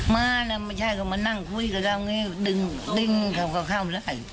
มาไม่ใช่กับมานั่งคุยกับเราดึงเขาก็เข้าได้